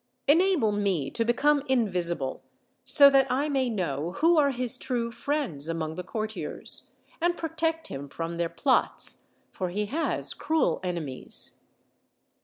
Enable me to become invisible, so that I may know who are his true friends among the courtiers, and protect him from their plots, for he has cruel enemies."